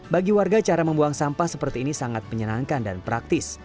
bagi warga cara membuang sampah seperti ini sangat menyenangkan dan praktis